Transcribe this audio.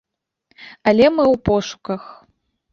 Але мы ў пошуках.